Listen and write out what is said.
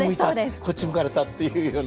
こっち向かれた」っていうような。